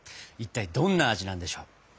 いったいどんな味なんでしょう。